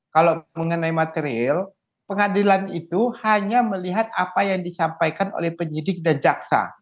kalau mengenai material pengadilan itu hanya melihat apa yang disampaikan oleh penyidik dan jaksa